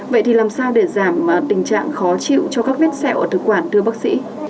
vậy thì làm sao để giảm tình trạng khó chịu cho các vết sẹo ở thực quản thưa bác sĩ